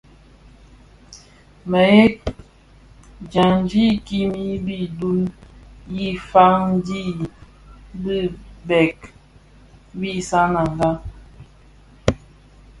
Mëdheb: dyandi i kimii bi duň yi fan dhi bibek bi Sananga.